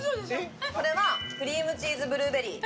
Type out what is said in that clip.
これはクリームチーズブルーベリー。